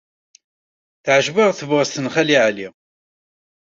Teɛjeb-aɣ tebɣest n Xali Ɛli.